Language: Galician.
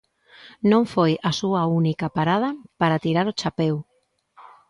Non foi a súa única parada para tirar o chapeu.